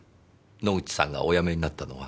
野口さんがお辞めになったのは。